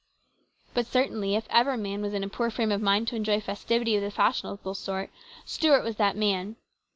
But certainly, if ever man was in a poor frame of mind to enjoy festivity of the fashionable sort, Stuart was that man.